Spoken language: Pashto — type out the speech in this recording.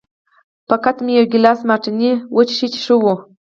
فقط مې یو ګیلاس مارتیني وڅښی چې ښه و.